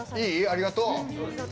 ありがとう。